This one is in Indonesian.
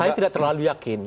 saya tidak terlalu yakin